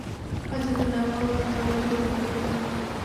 বাচ্চাদের না পাওয়া পর্যন্ত আমরা খোঁজা বন্ধ করব না।